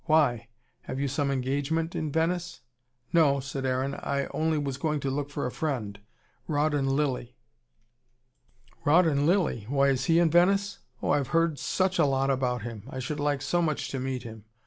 Why? Have you some engagement in Venice?" "No," said Aaron. "I only was going to look for a friend Rawdon Lilly." "Rawdon Lilly! Why, is he in Venice? Oh, I've heard SUCH a lot about him. I should like so much to meet him.